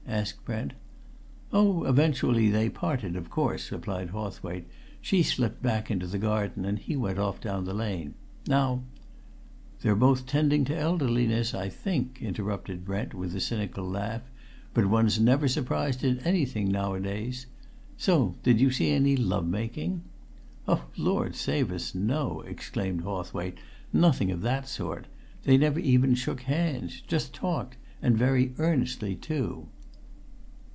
asked Brent. "Oh, eventually they parted of course," replied Hawthwaite. "She slipped back into the garden, and he went off down the lane. Now " "They're both tending to elderliness, I think," interrupted Brent, with a cynical laugh, "but one's never surprised at anything nowadays. So, did you see any love making?" "Oh, Lord save us, no!" exclaimed Hawthwaite. "Nothing of that sort! They never even shook hands. Just talked and very earnestly too."